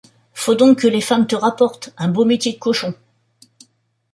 Faut donc que les femmes te rapportent, un beau métier de cochon!